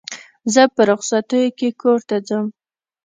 زه په رخصتیو کښي کور ته ځم.